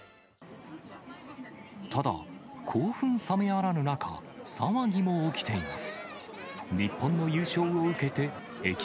ただ、興奮冷めやらぬ中、騒ぎも起きています。